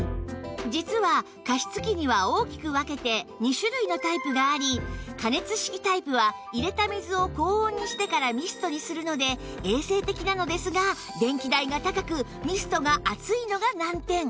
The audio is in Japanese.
実は加湿器には大きく分けて２種類のタイプがあり加熱式タイプは入れた水を高温にしてからミストにするので衛生的なのですが電気代が高くミストが熱いのが難点